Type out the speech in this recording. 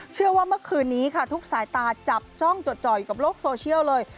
เชื่อว่าเมื่อคืนนี้ค่ะทุกสายตาจับจ้องจดจ่อยกับโลกโซเชียลเลย